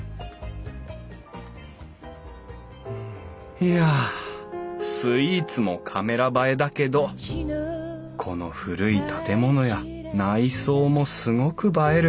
いやスイーツもカメラ映えだけどこの古い建物や内装もすごく映える。